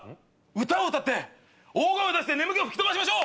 歌を歌って大声を出して眠気を吹き飛ばしましょう！